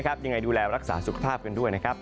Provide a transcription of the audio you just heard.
ยังไงดูแลรักษาสุขภาพกันด้วย